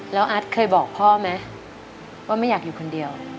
แล้วอาร์ตเคยบอกพ่อไหมว่าไม่อยากอยู่คนเดียว